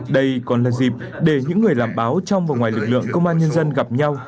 đây còn là dịp để những người làm báo trong và ngoài lực lượng công an nhân dân gặp nhau